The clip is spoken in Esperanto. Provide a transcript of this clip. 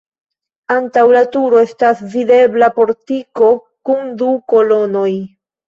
Antaŭ la turo estas videbla portiko kun du kolonoj.